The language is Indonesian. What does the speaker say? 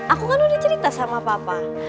aku kan udah cerita sama papa